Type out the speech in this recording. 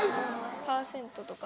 パーセントとか。